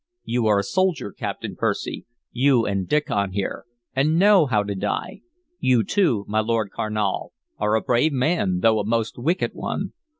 You are a soldier, Captain Percy, you and Diccon here, and know how to die. You too, my Lord Carnal, are a brave man, though a most wicked one.